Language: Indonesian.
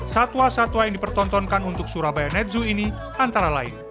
satwa satwa yang dipertontonkan untuk surabaya net zoo ini antara lain